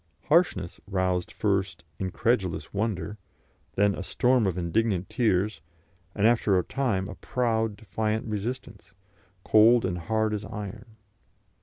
Harshness roused first incredulous wonder, then a storm of indignant tears, and after a time a proud, defiant resistance, cold and hard as iron.